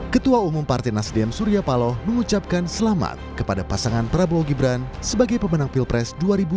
ketua umum partai nasdem surya paloh mengucapkan selamat kepada pasangan prabowo gibran sebagai pemenang pilpres dua ribu dua puluh